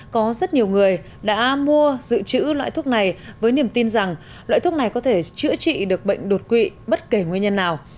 có rất nhiều người đã mua dự trữ loại thuốc này với niềm tin rằng loại thuốc này có thể chữa trị được bệnh đột quỵ bất kể nguyên nhân nào